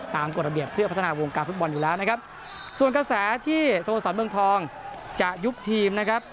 กฎระเบียบเพื่อพัฒนาวงการฟุตบอลอยู่แล้วนะครับส่วนกระแสที่สโมสรเมืองทองจะยุบทีมนะครับ